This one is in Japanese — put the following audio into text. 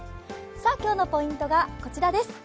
今日のポイントがこちらです。